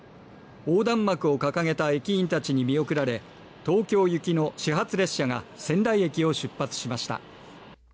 横断幕を掲げた駅員たちに見送られ東京行きの始発列車が仙台駅を出発しました。